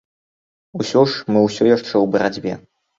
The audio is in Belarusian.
Усё ж, мы ўсё яшчэ ў барацьбе.